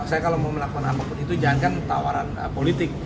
saya kalau mau melakukan apapun itu jangankan tawaran politik